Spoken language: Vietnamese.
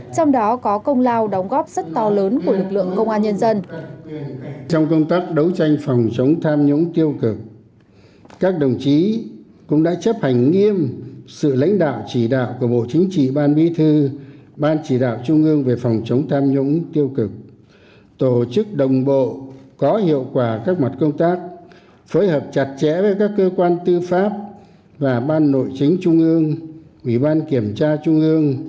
trong đó có công lao đóng góp rất to lớn của lực lượng công an nhân dân